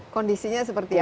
kondisinya seperti apa